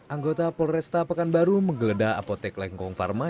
anggota polresta pekanbaru menggeledah apotek lengkong pharma